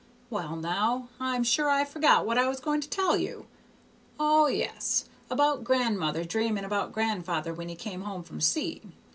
"Well, now, I'm sure I've forgot what I was going to tell you. O, yes; about grandmother dreaming about father when he come home from sea.